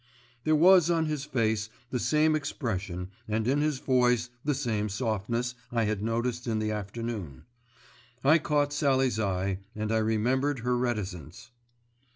There was on his face the same expression and in his voice the same softness I had noticed in the afternoon. I caught Sallie's eye, and I remembered her reticence.